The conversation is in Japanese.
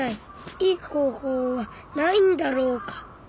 いい方法はないんだろうか。